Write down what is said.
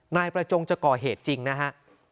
นายประจงจะก่อเหตุจริงนะฮะ